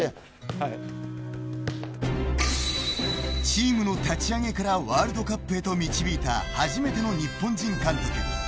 チームの立ち上げからワールドカップへと導いた初めての日本人監督。